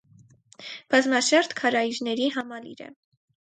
Բազմաշերտ քարայրների համալիր է։